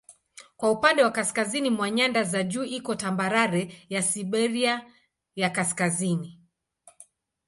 Kwa upande wa kaskazini mwa nyanda za juu iko tambarare ya Siberia ya Kaskazini.